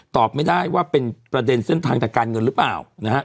ตอบไม่ได้ว่าเป็นประเด็นเส้นทางจากการเงินหรือเปล่านะฮะ